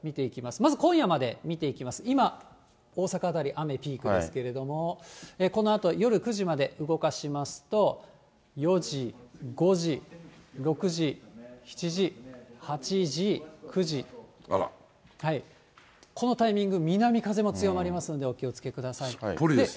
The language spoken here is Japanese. まず今夜から見ていきます、今、大阪辺り雨のピークですけど、このあと夜９時まで動かしますと、４時、５時、６時、７時、８時、９時、このタイミング、南風も強まりますので、お気をつけください。